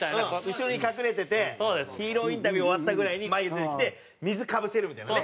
後ろに隠れててヒーローインタビュー終わったぐらいに前に出てきて水かぶせるみたいなね。